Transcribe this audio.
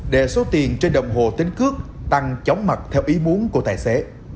để số tiền trên đồng hồ tính cước tăng chóng mặt theo ý muốn của tài xế